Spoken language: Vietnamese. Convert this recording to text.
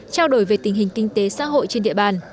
trao đổi về tình hình kinh tế xã hội trên địa bàn